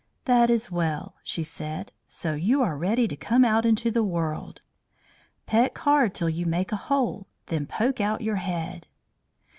"That is well," she said; "so you are ready to come out into the world. Peck hard till you make a hole. Then poke out your head."